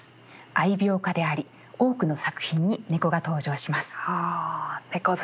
愛猫家であり多くの作品に猫が登場します。